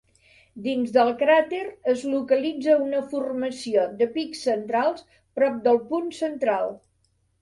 Dins del cràter es localitza una formació de pics centrals prop del punt central.